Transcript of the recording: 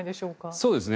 そうですね。